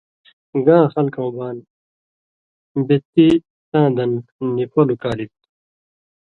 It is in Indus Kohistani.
گاں خلکؤں بان:”بے تی، تاں دن، نِپلوۡ کالِگ تھہ؛